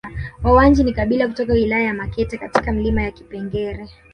Wawanji ni kabila kutoka wilaya ya Makete katika milima ya Kipengere